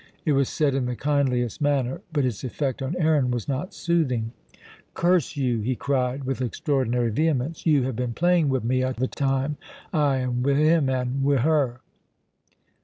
It was said in the kindliest manner, but its effect on Aaron was not soothing. "Curse you!" he cried, with extraordinary vehemence, "you have been playing wi' me a' the time, ay, and wi' him and wi' her!"